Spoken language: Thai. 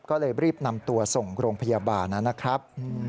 ก็เลยรีบนำตัวส่งโรงพยาบาลนะครับ